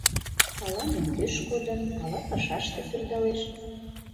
Ала мӧҥгеш кодын, ала пашаште пӧрдалеш.